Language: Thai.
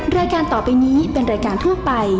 รายการต่อไปนี้เป็นรายการทั่วไป